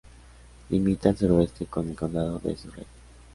Limita al suroeste con el condado de Surrey.